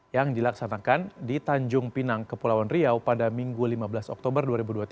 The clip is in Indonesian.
yang dilaksanakan di tanjung pinang kepulauan riau pada minggu lima belas oktober dua ribu dua puluh tiga